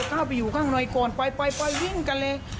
เข้าไปอยู่ข้างในก่อนไปไปวิ่งกันเลย